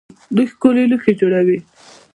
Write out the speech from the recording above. دوی ښکلي لوښي جوړوي.